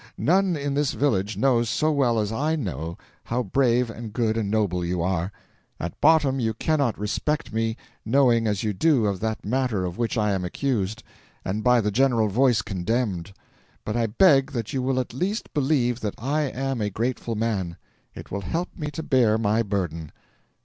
None in this village knows so well as I know how brave and good and noble you are. At bottom you cannot respect me, knowing as you do of that matter of which I am accused, and by the general voice condemned; but I beg that you will at least believe that I am a grateful man; it will help me to bear my burden.